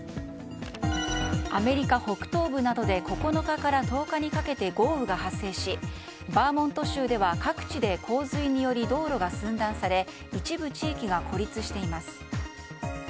アメリカ北東部などで９日から１０日にかけて豪雨が発生し、バーモント州では各地で洪水により道路が寸断され一部地域が孤立しています。